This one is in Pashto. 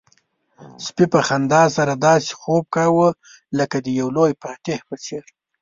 سپي په خندا سره داسې خوب کاوه لکه د یو لوی فاتح په څېر.